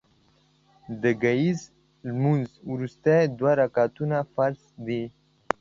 د ګهیځ لمونځ وروستي دوه رکعتونه فرض دي